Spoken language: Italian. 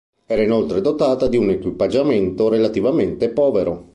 Era inoltre dotata di un equipaggiamento relativamente povero.